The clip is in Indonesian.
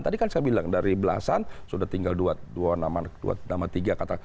tadi kan saya bilang dari belasan sudah tinggal dua nama tiga kata